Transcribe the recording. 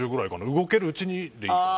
動けるうちにでいいかな。